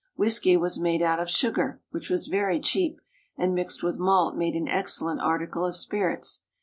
Whisky was made out of sugar, which was very cheap, and mixed with malt made an excellent article of spirits.